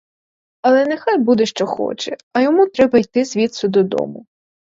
Але нехай буде що хоче, а йому треба йти звідси додому.